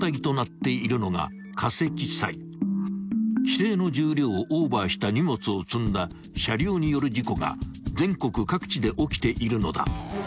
［既定の重量をオーバーした荷物を積んだ車両による事故が全国各地で起きているのだ］